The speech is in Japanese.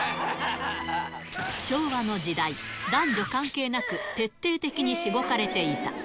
昭和の時代、男女関係なく徹底的にしごかれていた。